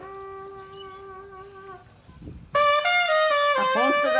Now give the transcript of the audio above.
あっ本当だ。